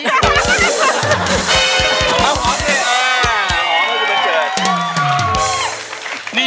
หอมหอมเลยอ่า